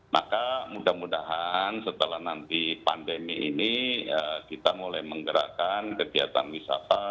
maka mudah mudahan setelah nanti pandemi ini kita mulai menggerakkan kegiatan wisata